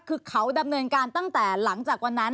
คือเขาดำเนินการตั้งแต่หลังจากวันนั้น